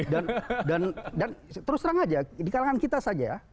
dan terus terang saja di kalangan kita saja ya